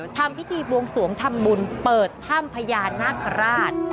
ทำพิธีบวงสวงทำบุญเปิดถ้ำพญานาคาราช